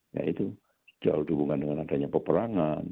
yaitu jauh dihubungkan dengan adanya peperangan